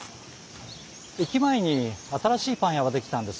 駅前に新しいパン屋は出来たんですが。